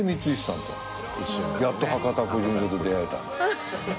やっと『博多っ子純情』と出会えたんです。